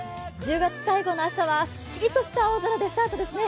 １０月最後の朝はすっきりとした青空でスタートですね。